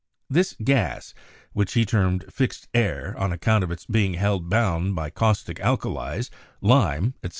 This gas — which he termed "fixed air" on account of its being held bound by caustic alkalies, lime, etc.